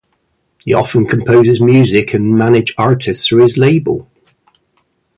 He often composes music and manage artists through this label.